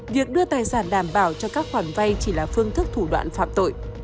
việc đưa tài sản đảm bảo cho các khoản vay chỉ là phương thức thủ đoạn phạm tội